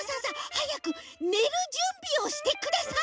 はやくねるじゅんびをしてください。